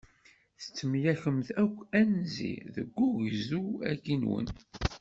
Tettemyakemt akk anzi deg ugezdu-agi-nwen.